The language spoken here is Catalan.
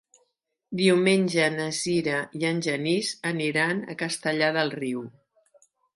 Diumenge na Sira i en Genís aniran a Castellar del Riu.